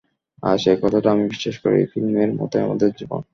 আজ এই কথাটা আমি বিশ্বাস করি, ফিল্মের মতই আমাদের জীবন।